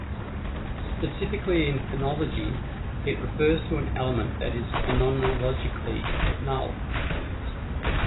Specifically in phonology, it refers to an element that is phonologically null.